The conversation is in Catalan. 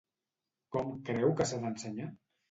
Com creu que s'ha d'ensenyar?